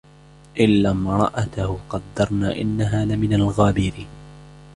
إِلَّا امْرَأَتَهُ قَدَّرْنَا إِنَّهَا لَمِنَ الْغَابِرِينَ